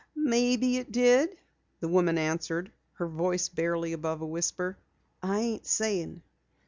"Maybe it did," the woman answered, her voice barely above a whisper. "I ain't saying."